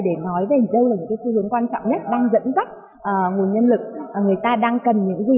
để nói về đâu là những cái xu hướng quan trọng nhất đang dẫn dắt nguồn nhân lực người ta đang cần những gì